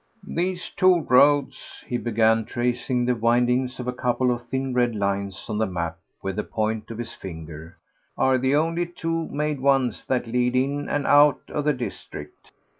"These two roads," he began, tracing the windings of a couple of thin red lines on the map with the point of his finger, "are the only two made ones that lead in and out of the district.